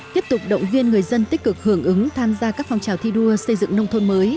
tiếp tục động viên người dân tích cực hưởng ứng tham gia các phong trào thi đua xây dựng nông thôn mới